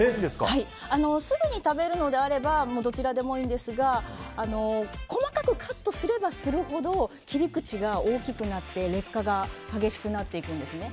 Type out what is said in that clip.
すぐに食べるのであればどちらでもいいんですが細かくカットすればするほど切り口が大きくなって劣化が激しくなっていくんですね。